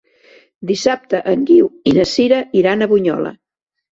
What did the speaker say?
Dissabte en Guiu i na Sira iran a Bunyola.